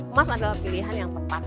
emas adalah pilihan yang tepat